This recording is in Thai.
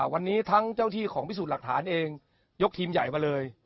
วันนี้ทั้งเจ้าที่ของพิสูจน์หลักฐานเองยกทีมใหญ่มาเลย